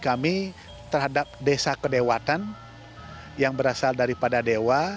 kami terhadap desa kedewatan yang berasal daripada dewa